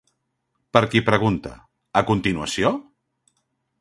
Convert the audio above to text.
Per qui pregunta, a continuació?